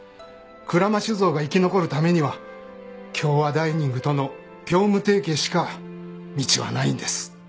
鞍馬酒造が生き残るためには京和ダイニングとの業務提携しか道はないんです。